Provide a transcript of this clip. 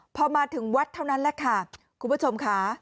พอมาถึงวัดเท่านั้นแหละค่ะคุณผู้ชมค่ะ